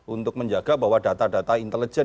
untuk menjaga bahwa data data intelijen